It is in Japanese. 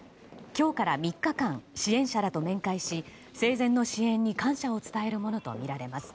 今日から３日間支援者らと面会し生前の支援に感謝を伝えるものとみられます。